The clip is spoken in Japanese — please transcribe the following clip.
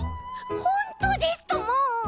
ほんとうですとも！